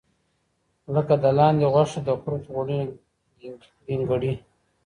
لکه د لاندې غوښه، د کورت غوړي، ګینګړي.